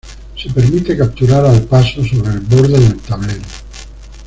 Se permite capturar "al paso" sobre el borde del tablero.